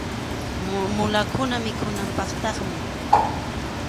Mulakunap mikhunanpaqtaqmi.